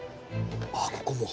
あっここも。